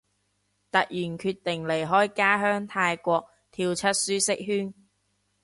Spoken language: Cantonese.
突然決定離開家鄉泰國，跳出舒適圈